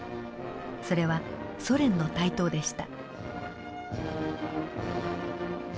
それはソ連の台頭でした。